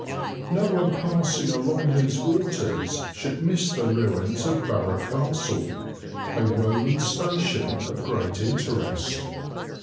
No one passing along these waters should miss the ruins of Burgh Castle, a Roman station of great interest.